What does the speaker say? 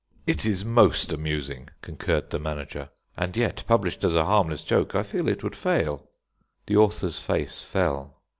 "It is most amusing," concurred the manager; "and yet published as a harmless joke, I feel it would fail." The author's face fell.